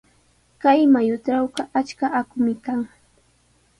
Kay mayutrawqa achka aqumi kan.